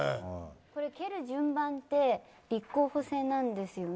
蹴る順番って立候補制なんですよね。